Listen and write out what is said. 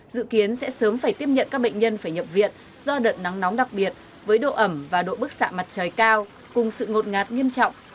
dự kiến sẽ sớm phải tiếp nhận các bệnh nhân phải nhập viện do đợt nắng nóng đặc biệt với độ ẩm và độ bức xạ mặt trời cao cùng sự ngột ngạt nghiêm trọng